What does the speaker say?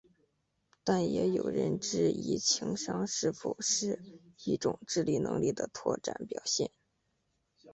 但也有人质疑情商是否是一种智力能力的扩展表现。